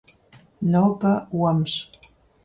Нобэ уэмщ.